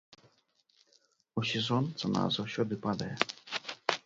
У сезон цана заўсёды падае.